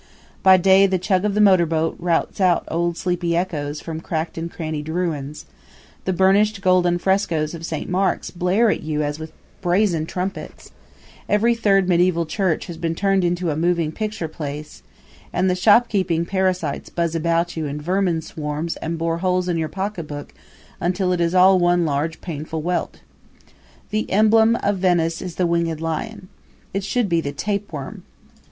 By day the chug of the motor boat routs out old sleepy echoes from cracked and crannied ruins; the burnished golden frescoes of Saint Mark's blare at you as with brazen trumpets; every third medieval church has been turned into a moving picture place; and the shopkeeping parasites buzz about you in vermin swarms and bore holes in your pocketbook until it is all one large painful welt. The emblem of Venice is the winged lion. It should be the tapeworm.